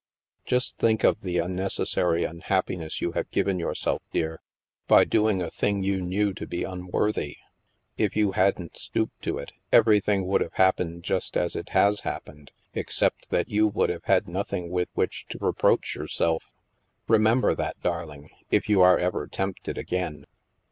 " Just think ot the unnecessary unhappiness you have given yourself, dear, by doing a thing you knew to be unworthy. If you hadn't stooped to it, every thing would have happened just as it has happened, except that you would have had nothing with which to reproach yourself. Remember, that, darling, if you are ever tempted again."